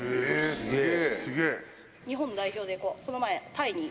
すげえ。